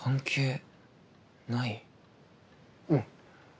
うん。